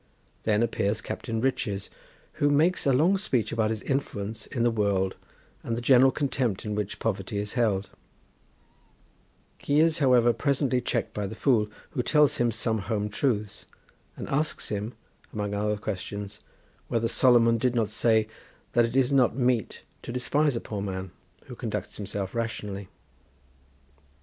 Then appears Captain Riches, who makes a long speech about his influence in the world, and the general contempt in which Poverty is held; he is, however, presently checked by the Fool, who tells him some home truths, and asks him, among other questions, whether Solomon did not say that it is not meet to despise a poor man, who conducts himself rationally.